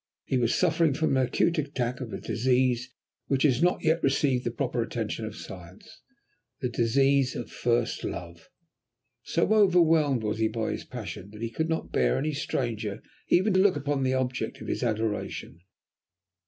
He was suffering from an acute attack of a disease which has not yet received the proper attention of Science the disease of first love. So overwhelmed was he by his passion, that he could not bear any stranger even to look upon the object of his adoration.